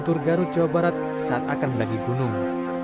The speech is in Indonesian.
di tur garut jawa barat saat akan mendaki gunung